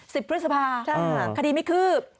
สิบพฤษภาคดีไม่คืบ